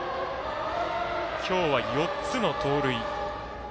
今日は４つの盗塁。